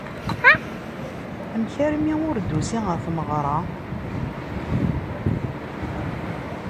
Amek armi ur d-tusid ɣer tmeɣra?